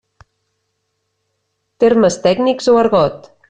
Termes tècnics o argot?